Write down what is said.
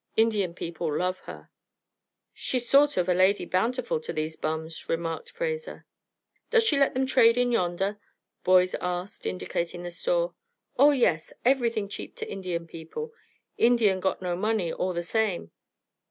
Indian people love her." "She's sort of a Lady Bountiful to these bums," remarked Fraser. "Does she let them trade in yonder?" Boyd asked, indicating the store. "Oh yes! Everything cheap to Indian people. Indian got no money, all the same."